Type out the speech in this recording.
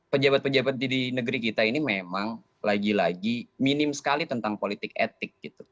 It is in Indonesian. pejabat pejabat di negeri kita ini memang lagi lagi minim sekali tentang politik etik